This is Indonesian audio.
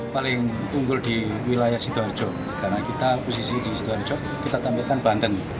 paling unggul di wilayah sidoarjo karena kita posisi di sidoarjo kita tampilkan banten